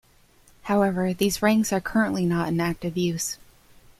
However, these ranks are currently not in active use.